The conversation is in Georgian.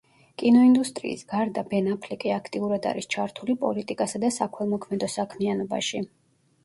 კინოინდუსტრიის გარდა ბენ აფლეკი აქტიურად არის ჩართული პოლიტიკასა და საქველმოქმედო საქმიანობაში.